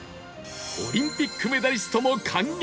オリンピックメダリストも感激！